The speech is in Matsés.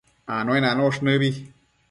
Anuenanosh nëbi